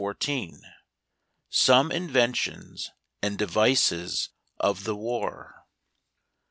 SOME INVENTIONS AND DEVICES OF THE WAR.